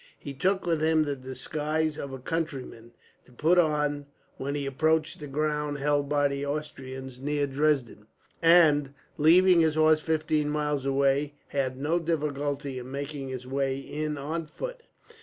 He took with him the disguise of a countryman, to put on when he approached the ground held by the Austrians near Dresden; and, leaving his horse fifteen miles away, had no difficulty in making his way in on foot.